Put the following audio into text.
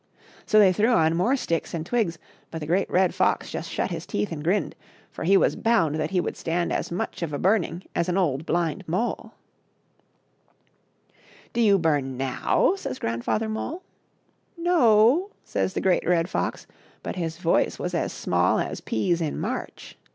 So they threw on more sticks and twigs, but the Great Red Fox just shut his teeth and grinned, for he was bound that he would stand as much of a burning as an old blind mole. %lfi dEErratlUbfbr beaittl^aUllat ^can. " Do you bum now ? says Grandfather Mole. " No," says the Great Red Fox, but his voice was as small as peas in March.